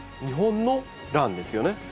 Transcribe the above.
日本のランですよね？